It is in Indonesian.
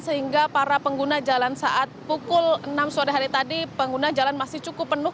sehingga para pengguna jalan saat pukul enam sore hari tadi pengguna jalan masih cukup penuh